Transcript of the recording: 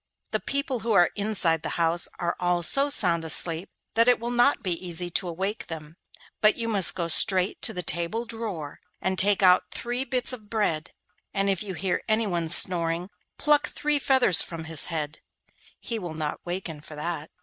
The people who are inside the house are all so sound asleep that it will not be easy to awake them; but you must go straight to the table drawer, and take out three bits of bread, and if you hear anyone snoring, pluck three feathers from his head; he will not waken for that.